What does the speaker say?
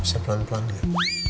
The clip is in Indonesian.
bisa pelan pelan ya